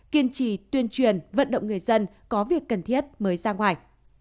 kiên trì tuyên truyền vận động người dân có việc cần thiết mới ra ngoài